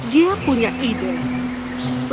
dia punya ide